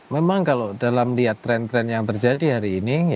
memang kalau dalam lihat tren tren yang terjadi hari ini